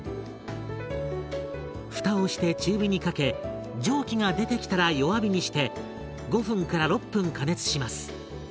蓋をして中火にかけ蒸気が出てきたら弱火にして５分６分加熱します。